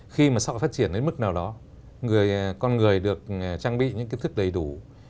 khi mà sọ phát triển đến mức nào đó con người được trang bị những cái thức đầy đủ